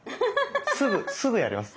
すぐすぐやります。